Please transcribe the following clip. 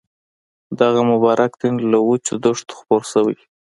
دغه مبارک دین له وچو دښتو خپور شوی.